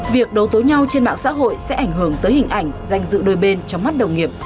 việc đấu tối nhau trên mạng xã hội sẽ ảnh hưởng tới hình ảnh danh dự đôi bên trong mắt đồng nghiệp